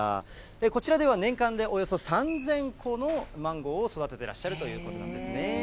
こちらでは、年間でおよそ３０００個のマンゴーを育ててらっしゃるということなんですね。